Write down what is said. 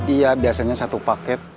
iya biasanya satu paket